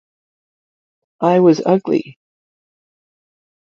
I was ugly.